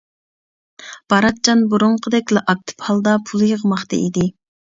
باراتجان بۇرۇنقىدەكلا ئاكتىپ ھالدا پۇل يىغماقتا ئىدى.